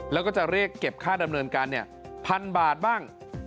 แล้วก็จะเรียกเก็บค่าดำเนินการ๑๐๐บาทบ้าง